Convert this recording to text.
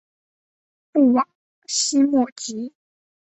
布瓦西莫吉。